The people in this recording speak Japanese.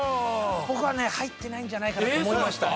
僕はね入ってないんじゃないかなと思いました。